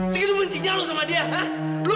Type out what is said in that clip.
sebelum lu nuduh dia enggak enggak